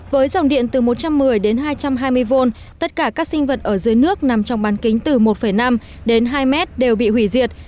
với dòng điện từ một trăm một mươi đến hai trăm hai mươi v tất cả các sinh vật ở dưới nước nằm trong bán kính từ một năm đến hai mét đều bị hủy diệt